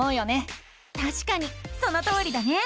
たしかにそのとおりだね！